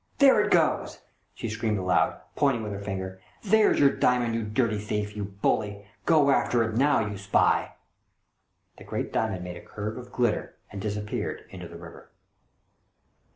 " There it goes !" she screamed aloud, pointing with her finger. " There's your diamond, you dirty thief ! You bully ! Go after it now, you spy !" The great diamond made a curve of glitter and disappeared into the river.